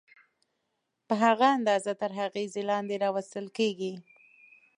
په هغه اندازه تر اغېزې لاندې راوستل کېږي.